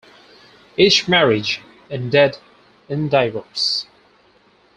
Each marriage ended in divorce.